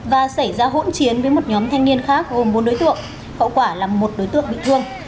và xảy ra hỗn chiến với một nhóm thanh niên khác gồm bốn đối tượng hậu quả là một đối tượng bị thương